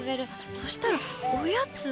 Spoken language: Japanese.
そしたら、おやつは。